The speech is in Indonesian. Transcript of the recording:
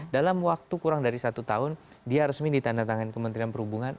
dalam waktu kurang dari satu tahun dia resmi ditandatangani kementerian perhubungan